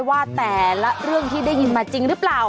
ว่าแต่ละเรื่องที่ได้ยินมาจริงหรือเปล่า